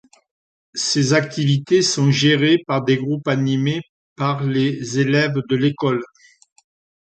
Ces activités sont gérées par des groupes animés par les élèves de l'école.